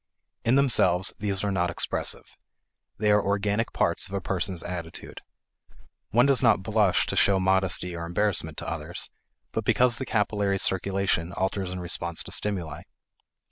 In themselves, these are not expressive. They are organic parts of a person's attitude. One does not blush to show modesty or embarrassment to others, but because the capillary circulation alters in response to stimuli.